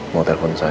mau telepon saya